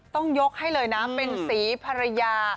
ต้องยกให้เลยนะเป็นสีภรรยา